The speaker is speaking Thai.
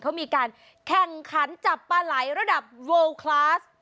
เขามีการแข่งขันจับปลายรระดับโวลด์คลัส